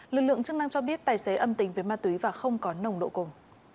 lực lượng chức năng cho biết tài xế âm tính với ma túy và không có nồng độ cồn